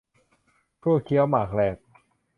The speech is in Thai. ชั่วเคี้ยวหมากแหลก